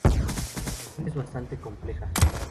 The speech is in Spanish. La cuestión es bastante compleja.